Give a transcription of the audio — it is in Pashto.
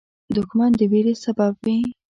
دښمن د ویرې سبب وي